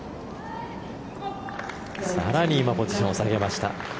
更に今、ポジション下げました。